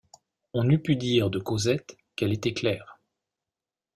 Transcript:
On eût pu dire de Cosette qu’elle était claire.